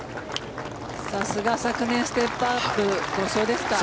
さすが昨年ステップ・アップ５勝ですか。